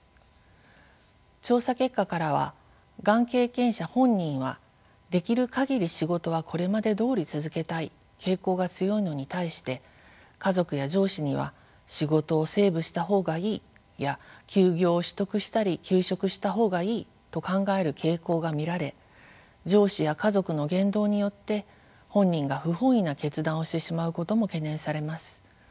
調査結果からはがん経験者本人はできる限り仕事はこれまでどおり続けたい」傾向が強いのに対して家族や上司には「仕事をセーブした方がいい」や「休業を取得したり休職した方がいい」と考える傾向が見られ上司や家族の言動によって本人が不本意な決断をしてしまうことも懸念されます。